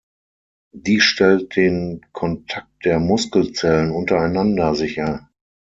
Dies stellt den Kontakt der Muskelzellen untereinander sicher.